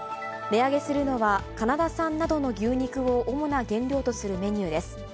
値上げするのは、カナダ産などの牛肉を主な原料とするメニューです。